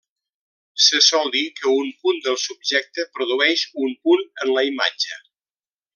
Se sol dir que un punt del subjecte produeix un punt en la imatge.